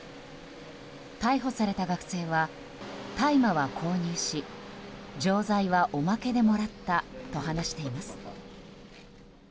逮捕された学生は、大麻は購入し錠剤は、おまけでもらったと話しています。